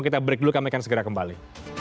kita break dulu kami akan segera kembali